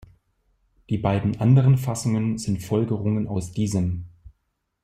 Die beiden anderen Fassungen sind Folgerungen aus diesem.